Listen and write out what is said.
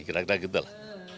kira kira gitu lah